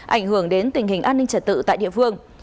ảnh hưởng đến tình hình an ninh trật tự tại địa phương